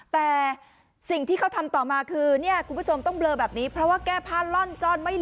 แต่สิ่งที่เขาทำต่อมาคือ